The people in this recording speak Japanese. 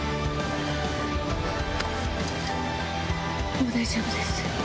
もう大丈夫です。